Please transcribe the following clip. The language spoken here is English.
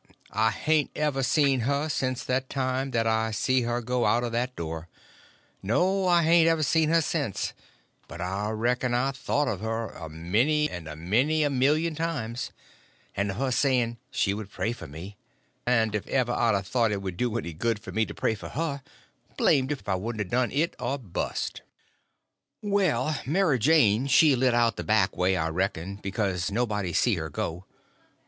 I hain't ever seen her since that time that I see her go out of that door; no, I hain't ever seen her since, but I reckon I've thought of her a many and a many a million times, and of her saying she would pray for me; and if ever I'd a thought it would do any good for me to pray for her, blamed if I wouldn't a done it or bust. Well, Mary Jane she lit out the back way, I reckon; because nobody see her go.